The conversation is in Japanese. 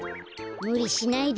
むりしないで。